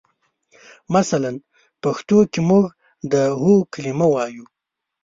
مثلاً پښتو کې موږ د هو کلمه وایو.